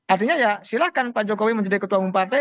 artinya ya silahkan pak jokowi menjadi ketua umum partai